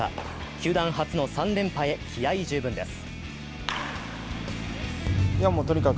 球団初の３連覇へ気合い十分です。